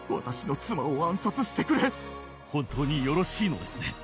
本当によろしいのですね。